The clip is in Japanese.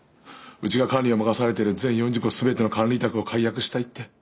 うちが管理を任されている全４０戸全ての管理委託を解約したいって。